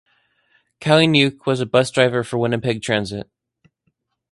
Kalyniuk was a bus driver for Winnipeg Transit.